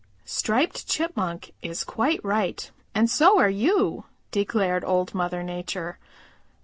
"Striped Chipmunk is quite right and so are you," declared Old Mother Nature.